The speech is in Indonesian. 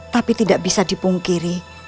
tapi tidak bisa dipungkiri